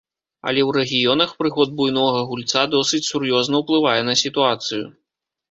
Але ў рэгіёнах прыход буйнога гульца досыць сур'ёзна ўплывае на сітуацыю.